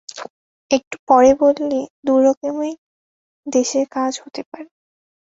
একটু পরে বললে, দুরকমেই দেশের কাজ হতে পারে।